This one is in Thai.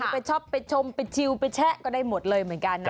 ไปช็อปไปชมไปชิลไปแชะก็ได้หมดเลยเหมือนกันนะ